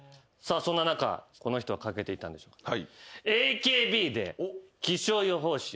そんな中この人は書けていたんでしょうか。